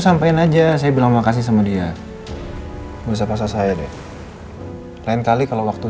ngapain aja saya bilang makasih sama dia bisa pasang saya deh lain kali kalau waktu